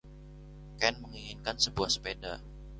Ken menginginkan sebuah sepeda.